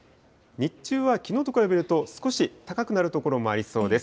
日中はきのうと比べると、少し高くなる所もありそうです。